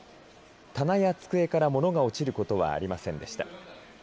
棚や机から物が落ちることはありませんでした。